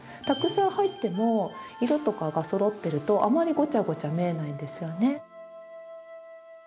たくさん入っても色とかがそろってるとあまりごちゃごちゃ見えないんですよね。